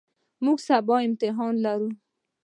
موږ سبا امتحان لرو.